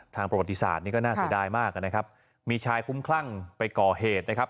ทางประวัติศาสตร์นี่ก็น่าเสียดายมากนะครับมีชายคุ้มคลั่งไปก่อเหตุนะครับ